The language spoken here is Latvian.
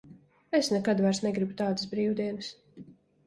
Es nekad vairs negribu tādas brīvdienas.